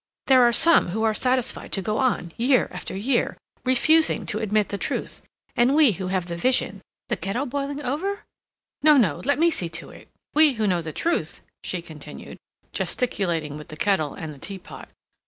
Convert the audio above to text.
There are some who are satisfied to go on, year after year, refusing to admit the truth. And we who have the vision—the kettle boiling over? No, no, let me see to it—we who know the truth," she continued, gesticulating with the kettle and the teapot.